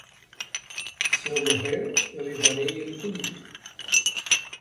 E se eu morrer, eu levarei ele comigo